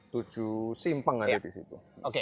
tujuh simpang ada di situ